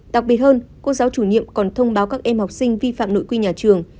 đặc biệt hơn cô giáo chủ nhiệm còn thông báo các em học sinh vi phạm nội quy nhà trường